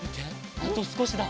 あとすこしだ。